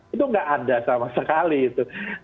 itu nggak ada sama sekali itu